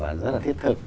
và rất là thiết thực